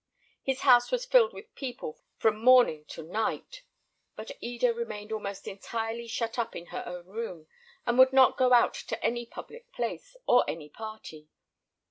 His house was filled with people from morning to night; but Eda remained almost entirely shut up in her own room, and would not go out to any public place, or any party.